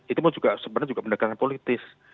itu sebenarnya juga pendekatan politis